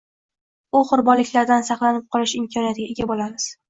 va qurbonliklardan saqlanib qolish imkoniyatiga ega bo‘lamiz.